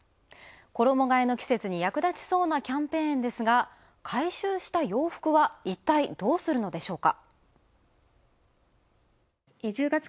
衣替えの季節に役立ちそうなキャンペーンですが、回収した洋服はいったいどうするのでしょうか。